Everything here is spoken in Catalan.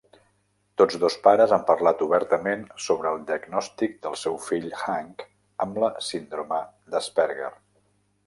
Tots dos pares han parlat obertament sobre el diagnòstic del seu fill Hank amb la Síndrome d'Asperger.